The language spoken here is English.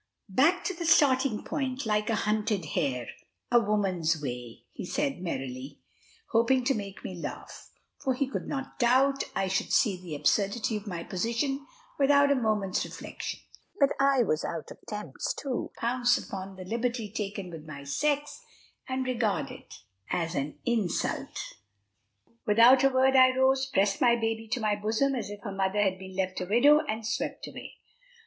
"Back to the starting point, like a hunted hare! A woman's way," he said merrily, hoping to make me laugh; for he could not doubt I should see the absurdity of my position with a moment's reflection. But I was out of temper, and chose to pounce upon the liberty taken with my sex, and regard it as an insult. Without a word I rose, pressed my baby to my bosom as if her mother had been left a widow, and swept away.